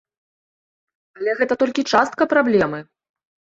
Але гэта толькі частка праблемы.